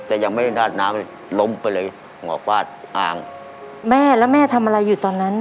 แต่ยังไม่ได้ราดน้ำเลยล้มไปเลยหมอฟาดอ่างแม่แล้วแม่ทำอะไรอยู่ตอนนั้น